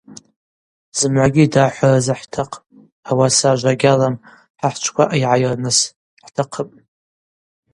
Зымгӏвагьи дахӏвра рзыхӏтахъпӏ, ауаса, ажва гьалам, хӏа хӏчӏвква айгӏайырныс хӏтахъыпӏ!